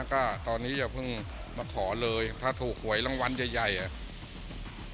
ก็ตอนนี้อย่าเพิ่งมาขอเลยถ้าถูกหวยรางวัลใหญ่ใหญ่อ่ะ